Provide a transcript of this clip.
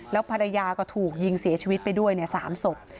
แล้วภรรยาก็ถูกยิงเสียชีวิตไปด้วย๓ศพ